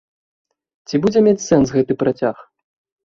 Ці будзе мець сэнс гэты працяг?